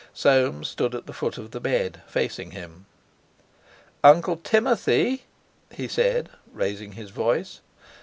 Soames stood at the foot of the bed, facing him. "Uncle Timothy," he said, raising his voice.